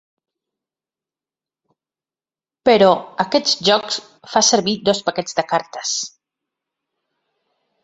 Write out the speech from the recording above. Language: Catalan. Però, aquest joc fa servir dos paquets de cartes.